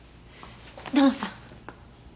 土門さん。